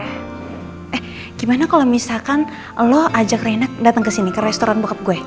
eh gimana kalau misalkan lo ajak rena datang kesini ke restoran bokap gue